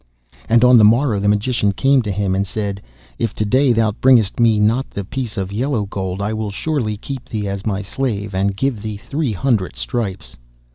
And on the morrow the Magician came to him, and said, 'If to day thou bringest me not the piece of yellow gold, I will surely keep thee as my slave, and give thee three hundred stripes.